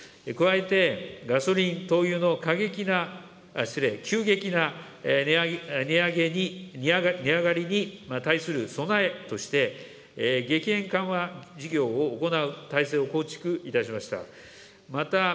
加えて、ガソリン、灯油の過激な、失礼、急激な値上がりに対する備えとして、激変緩和事業を行う対策を構築いたしました。